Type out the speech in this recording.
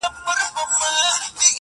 د ډول ږغ د ليري ښه خوند کوي.